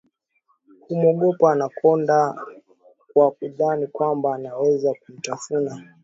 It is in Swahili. humwogopa Anacconda kwa kudhani kwamba anaweza kumtafuna